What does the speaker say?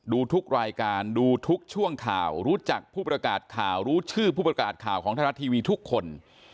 ดูทุกรายการดูทุกช่วงข่าวรู้จักผู้ประกาศข่าวรู้ชื่อผู้ประกาศข่าวของไทยรัฐทีวีทุกคน